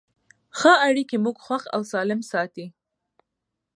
ښه اړیکې موږ خوښ او سالم ساتي.